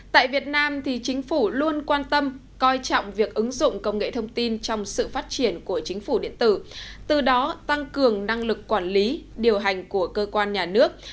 tại việt nam chính phủ luôn quan tâm coi trọng việc ứng dụng công nghệ thông tin trong sự phát triển của chính phủ điện tử từ đó tăng cường năng lực quản lý điều hành của cơ quan nhà nước